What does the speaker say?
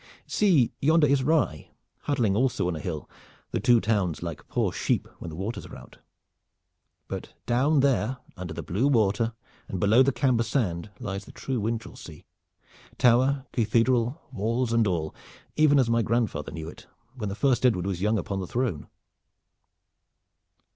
See, yonder is Rye, huddling also on a hill, the two towns like poor sheep when the waters are out. But down there under the blue water and below the Camber Sand lies the true Winchelsea tower, cathedral, walls and all, even as my grandfather knew it, when the first Edward was young upon the throne."